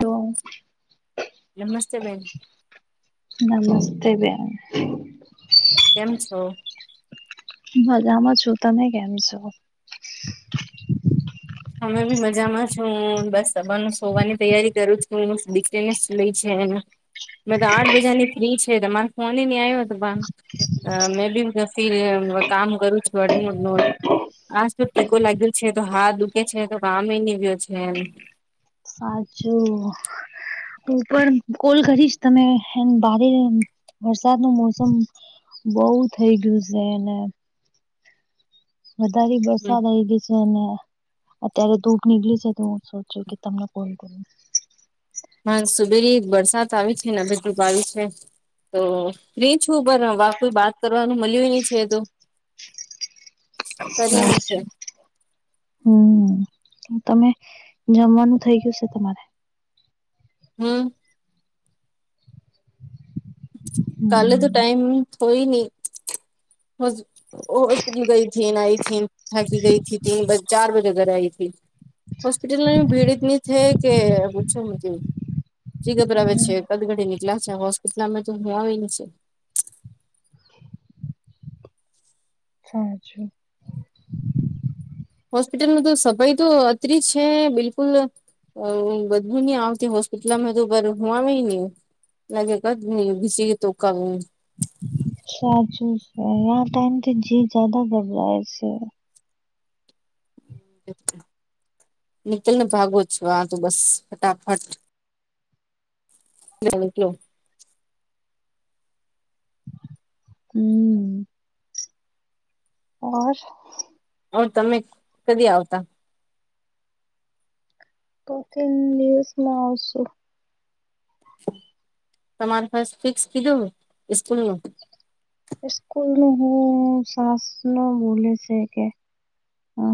તો નમસ્તે બેાઈન નમસ્તે બે કેમ છો મજામાં છું તમે કેમ છો. અમે બી મજામાં છુ, હું બસ સબા ન સોવાની તૈયારી કરું છ કે હ દીકરીને જ લઈ છે. મેં તો આઠ બજા ની ફ્રી છે મારે ફોન નહી આવ્યો હતો. મેં બી ફીર કામ કરું છુ, વડનુ આજ તો ટીકો લાગ્યો છે, તો હાથ દુખે છે તો કામ નીવ્યો છે. સાચુ ર કોલ કરીશ તમે ભારે વરસાદ નું મોસમ બઉ થઇ ગયુ છે, એને વધારે બરસાદ આવી ગઈ છે, અને અત્યારે ધૂપ નીકળી છે તો હું સોચું કે તમ ફોન કરો હ સુબેલી વરસાત આવી છેને ભ ધ્રપ આવી છે. તો ન છુ બર હવે કોઈ બાત કરવાનું મળ્યું નની છે, તો કરી અચછા ની છે હમ તમે જમવાનું થઇ ગયુ છે, તમારે હમ્મ કાલે તો હમ ટાઈમ હોઈ ની હસ હોસ્પિટલ ગઈ થથી આઈ થથીન થાકી ગઈથી તીન ચાર બજે ઘરે આવીઈ હતીથી હોસ્પિટલ ની ભીડની થઈ. કે પૂછો જી ગબરા આવે છે કદગડી નીકળ્યા છે, હોસ્પિટલમાં તો મો વિંગ છે. હાચુ. હોસ્પિટલ ન તો સફાઈ તો અત્રી છે, બિલકુલ. બધું નઈ આવતી હોસ્પિટલમા, તો હુ આવે નહ લાગે ક ઘ ઘીસીયે તોકાઉ સાચું છે ટાઈમ તો જી જદ ઘટરાાય છે. નખિલ ને ભાગો છ, આ તું બસ ફટાફટ [inaudible] હમ્મ ઓર હ તમે કદી આવતા કફિંગ ન્યૂઝમાં આવશુ તમારે ફર્ ફિક્સ કીધો સ્કૂલ ન સ્કૂલ ન હું શસ ન બોલે છે, કે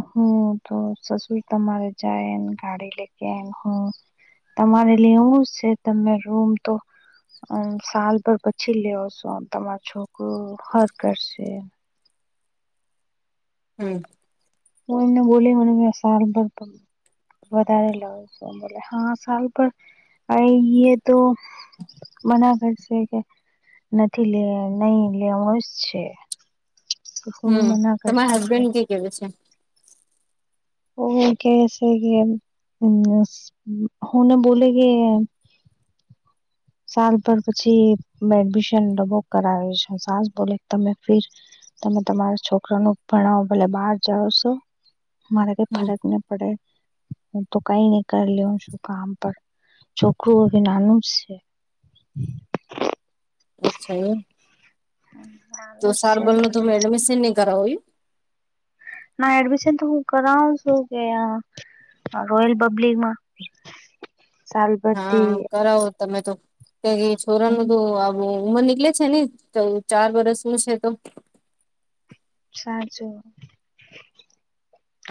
હ તો સસુ તમારે જાય, એમ ગાડી લેકે એમ હ તમારે લેવું છે, તમે રૂમ તો સાલભર પછી લેવ છો આમ તમારો છોકરું હર કરશે હમ્મ હું એમને બોલી મને સાર ભર વધારે લઉ છુ, બોલે હા સારુ પન અહીંએ તો બના કરશે કે નથી લે નહી લેવો જ છે, શું હમ મના તમારા કરશે હસબેન્ડ કે કેવે છે. ઓ ક છે કે હ ના બોલે કે સાલ પર પછી એડમિશન ડબો કરાવી છે સાજ બોલે તમે ફીર તમે તમારા છોકરનૂ ભણાવો ભલે બહાર જા છો મારા કઈ હમ ફરક ન પડે હ તો કઈ નહી કર લ શું કામ પર ચોખ્ખું અભ નાનુ જ છે. અચ્છા એ તો નાનું જ સાર છે તો બોલલો કે તુમે એડમિશન ન કરાવ એ ના એડમિશન તો હું કરાવું છું કે આ રોયલ પબ્લિકમાં સાલભતી હા કરાવો તમે તો પેલી છોરાનું જો આવું ઉંમર નીકળે છે ને તો ચાર વરસનું છે તો સાચું.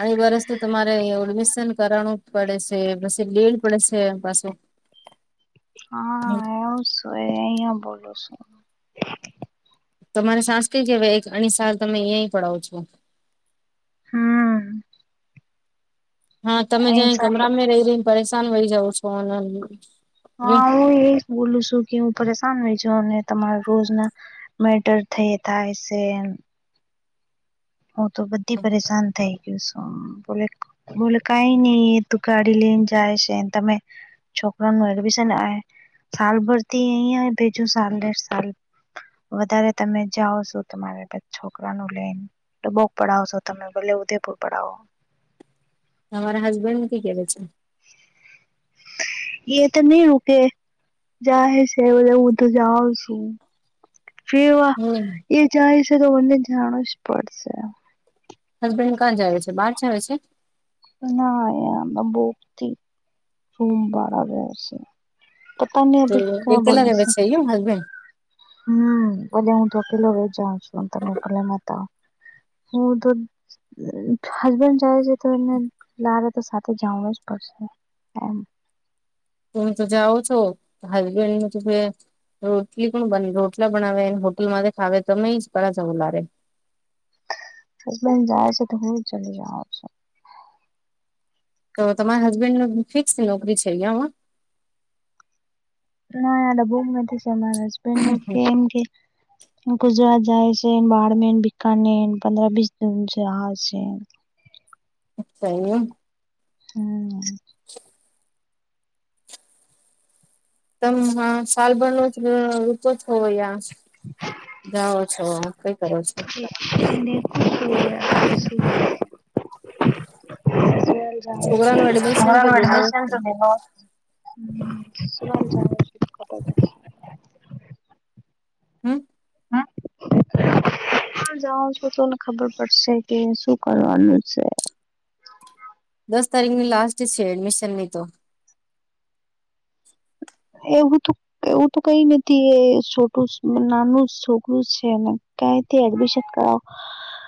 આઈ વર્ષ તો તમારે એડમિશન કરવાનું જ પડે છે પછી લીડ પડે છે પાછું. [inaudible] હા [unintelligible] બોલો છું. તમારે સાંસ્કૃિક એક અણી સાર તમે અહીં પડાવો છો. હમ. હા તમે જ અહી ચાલે કમરામાં રહી રહીને પરેશાન રહી જાવ છો અને હા હું એજ બોલું છું કે હું પરેશાન હોય છ અને તમારા રોજ ના મેટર થઈ થાય છે એમ હું તો બધી પરેશાન થઈ. બોલે બોલે કાંઈ નઈ તું ગાડી લઈને જાય છે તમે. છોકરાનું એડમિશન આવે સાલ ભરતી અહી આવે બીજું સાલ દે સાલ. વધારે તમે જાઓ છો તમારે છોકરા નું લઈન. ડબોગ પડાવશો તમે ભલે ઉદેપુર પડાવો. તમારા હસબેન્ડનું કઈ કેવા છે. એ તો નહી રૂકે. જાહે છે બધા હું તો જાઉ છું. ફેવા હમ એ જાય છે તો મને જાણવું જ પડશે. હસબેંડ કા જાવે છે બાર જાવે છે. ના ના બકતી રૂમ ભાડા ભરશે પોતાની તો અભી ક્યા એકલા બોલો છે. [unintelligible] હમ ભલે હું તોકેલો જાઉં છું તમે ભલે મતાવ. હું તો હસબેંડ જાય છે તો માંરે રો સાથે જવું જ પડશે તમે તો જાઓ છો હાઈબેન્ડનું તું તે રોટલી કોણ બન રોટલા બનાવે હોટલમાંથી ખાવે તમે કરા જવું મારે હસબેંડ જાય છે તો હું ચલી જાઉં છું. તો તમારા હસબેન્ડનું ફિક્સ નોકરી છે અહીંયામા ના ડબોમાંથી ચલાવે હસબેંડ નો કેમ કે ગુજરાત જાય છે બારમે બીકાનેન પંદર બીસ જૂન છે આવે છે. અચ્છા એમ. હમ. [inaudible] તમ હા સાલભર નો જ રૂપો જ હોવો. જાઓ છો કઈ કરો છો. [unintelligible] છોકરાનું એડમિશન તો દેવા છે [unintelligible] હમ. તા જાઉં છું તોને ખબર પડશે કે શું કરવાનું છે. દસ તારીખની લાસ્ટ છે એડમિશન ની તો. એવું તો એવું તો કઈ નથી એ છોટું નાનું જ છોકરું છે ને કઈથી એડમિશન કરાવ [inaudible]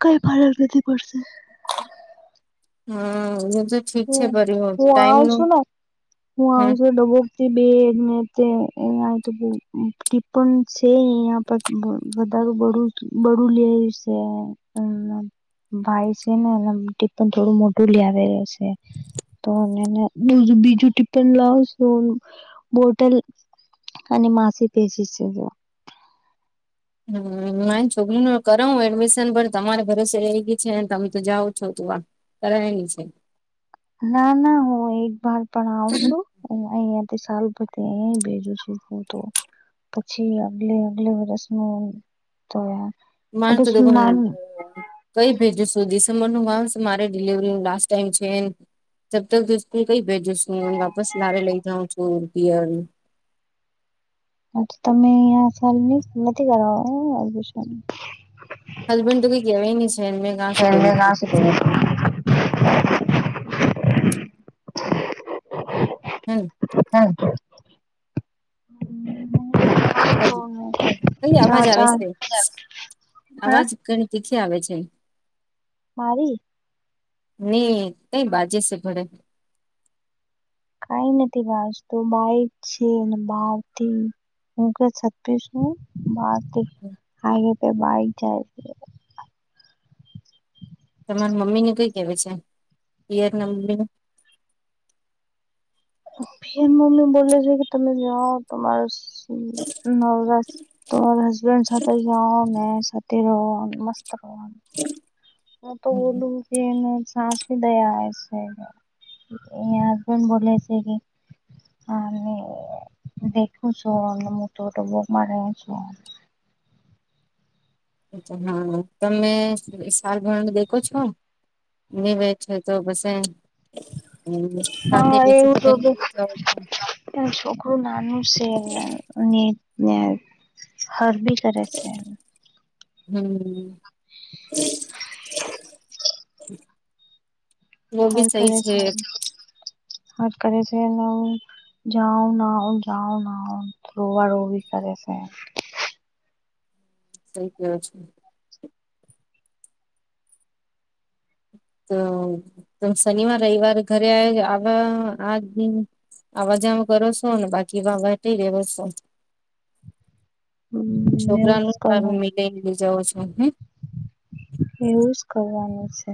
કઈ ફરક નથી પડશે. હા ને જો હ તું આવન છું ને હું હમ આવું છું ડબો બેડ [unintelligible] ટીપ છે આયા વધારે બડું બડું લે છે. [unintelligible] ભાઈ છે ને એ ટીપન થોડું મોટું લ આવે રહ છે. તો બીજું બીજું ટીપપન લાવશો. બોટલ બીટઅને માસી પેજી છે. હમ ના છોકરી ન કરાવ એડમિશન પણ તમારા ભરોસે રઈ ગઈ છે તમે તો જાાવ છો તું આ [inaudible] ના ના હું એક બર પણ આવશું. હ અયા સા [unintelligible] પ અ ભેજું છું હું તો. પછી આગલે અગલે વરષ ન તો [unintelligible] નાની [inaudible] કઈ ભેજું શું ડિસેમ્બર ન માસ મારે ડિલવરી ન લાસ્ટ ટાઈમ છે જબ તક તો સ્કૂલ કઈ ભેજો છું વાપસ લે લઈ જ ચોર પિયર. હા તો તમે આ સાલ ની નથી કર અભ [unintelligible] હસબન્ડ તો કઈ કેવાય નહી છે મેં કા શું કર્યું. હમ. હા [inaudible] [unintelligible] અવાજ આવે છે અવાજ ઘણી તીખી આવે છે મારી નહી કઈ બાજે સ ઘરે કઈ નથી બસ તો બાઈ જ છે ને બાર થી હું કે છસું નૂર [unintelligible] હાઈવે પે બાઇક જાય [unintelligible] તમાર મમ્મીને કઈ કેવી છે પિયર ના મમ્મી મમ્મી બોલે છે કે તમે જાઓ તમાર [unintelligible] ત હસબેન્ડ સાથે ગયા મે સાથે [unintelligible] તે રન મસ્તરોન [unintelligible] હમ [inaudible] મ તો ઓોલું [unintelligible] સાસ ભી દયા છે હસબેન્ડ બોલે છે કે અને દેખું છું અને હું થોડ બોગમાં ર છું અ્ા હા તમે શાલ ભરણ દેખો છો [unintelligible] ની બે છે તો બસ હ [unintelligible] હા એવું તો કે છોકરું નાનું છે એમ [unintelligible] ને હર ભી કરે છે હમ્ [inaudible] [inaudible] વ ભી સહી છે હ કડ છે [unintelligible] જાઓ ના આવો જાઓ ના આવો રોવા રોવી કરે છે સઈ કેયો છે [inaudible] તો તો શનિવાર રવિવાર ઘરે [unintelligible] આવ્યા આજ આવા જામ કરો છો ને બાકી વા વા લેવ છો હમ્મ એવું જ છોકરાનું મિલાઈ લઈ જાાવ છો હ [unintelligible] એવુંજ કરવાનું છે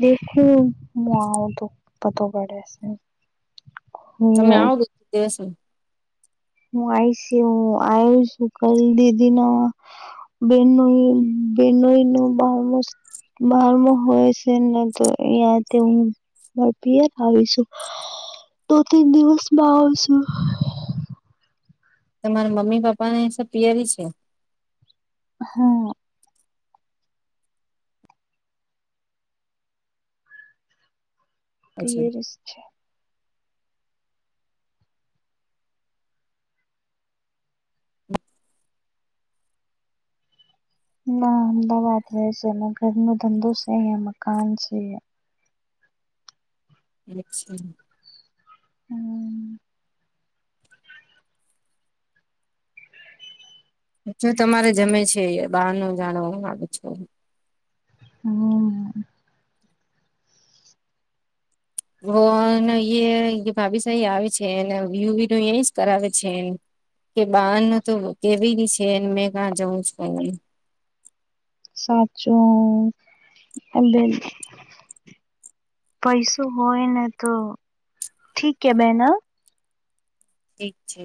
દેખું મા તો પતો કર્યા છે [unintelligible] તમે આવો કે દિવસ [unintelligible] હું આયશ હું આવું છું કલ દીદીી નવા [unintelligible] બેનોઈ બેનોઈ ન બહ [unintelligible] બારમાં છેને તો યાતે [unintelligible] મા પીય આવીશું દ તન દિવસમાં આવશું [unintelligible] તમારે મમ્મી પપ્પા ને એ સબ પિયરી છે. હા. પછી પેરિસ છે. ના અમદાવાદ રહે છે એના ઘર ના ધંધો છે ને મકાન છે. અચ્છા. હમ. જો તમારે જમે છે ઇ, બહાર નુ જાણવા હુ માંગુ છું. હમ. હો ને યે, એમ કે કે, હો ભાભી સાહી આવે છેને, વ્યુ વિ તો એજ કરાવે છે. કે બહાર ન તો કેવી છે ને મેં કા જવું છું. સાચો અને. પૈસો હોય ને તો ઠીક કે બેહેના. ઠીક છે.